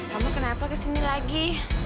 kamu kenapa kesini lagi